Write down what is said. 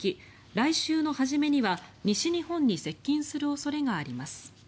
来週の初めには、西日本に接近する恐れがあります。